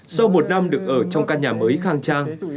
sau một năm được ở trong căn nhà mới khang trang